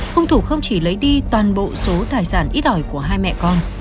hùng thủ không chỉ lấy đi toàn bộ số tài sản ít đòi của hai mẹ con